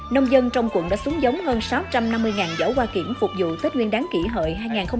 nông dân trong quận đã xuống giống hơn sáu trăm năm mươi giỏ hoa kiển phục vụ tết nguyên đáng kỷ hợi hai nghìn một mươi chín